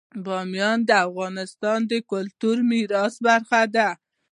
بامیان د افغانستان د کلتوري میراث برخه ده.